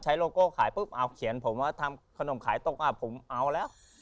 โลโก้ขายปุ๊บเอาเขียนผมว่าทำขนมขายตกอ่ะผมเอาแล้ว